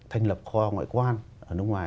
thành lập kho ngoại quan ở nước ngoài